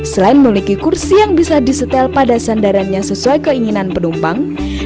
selain memiliki kursi yang bisa di setel pada sandaranya sesuai keinginan penumpang